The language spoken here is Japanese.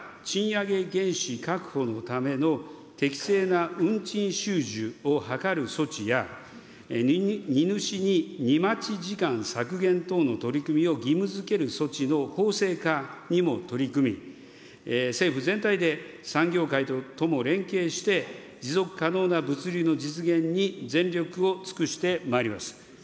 また賃上げ原資確保のための適正な運賃収受を図る措置や、荷主に荷待ち時間削減等の取り組みを義務づける措置の法制化にも取り組み、政府全体で産業界とも連携して、持続可能な物流の実現に全力を尽くしてまいります。